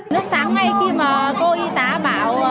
lúc sáng ngay khi mà cô y tá bảo